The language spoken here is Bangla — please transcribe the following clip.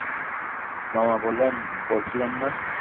মামা বললেন, বলেছিলাম না।